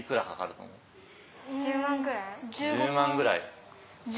１０万ぐらい？